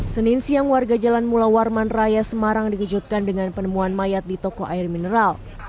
senin siang warga jalan mula warman raya semarang dikejutkan dengan penemuan mayat di toko air mineral